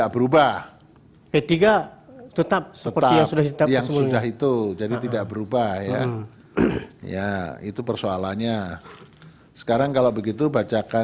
pada tps dua pasik